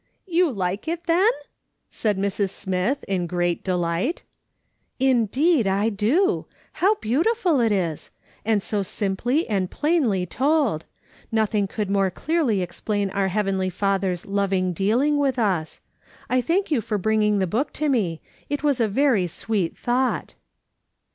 " You like it, then ?" said Mrs. Smith in great delight. " Indeed, I do ! How beautiful it is ! And so simply and plainly told ! jSTothing could more clearly exjDlain our Heavenly Father's loving dealing with us. I thank you for bringing the book to me. It was a very sweet thought."